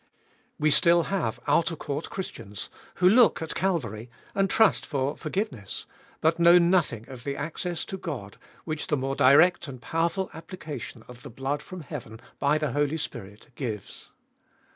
We still have outer court Christians, who look at Calvary, and trust for forgive ness, but know nothing of the access to God which the more direct and powerful application of the blood from heaven by the Holy Spirit gives.